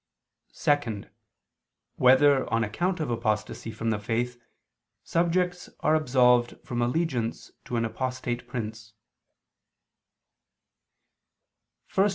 (2) Whether, on account of apostasy from the faith, subjects are absolved from allegiance to an apostate prince?